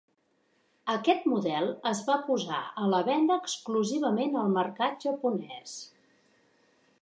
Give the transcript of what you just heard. Aquest model es va posar a la venda exclusivament al mercat japonès.